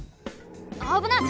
あぶない！